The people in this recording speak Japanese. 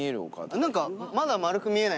何か。